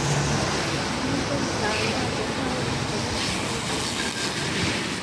Nubwo bitangaje nkaho bishobora kumvikana,